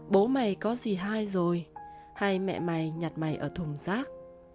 bố mày có gì hai rồi hai mẹ mày nhặt mày ở thùng rác